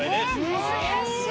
難しい。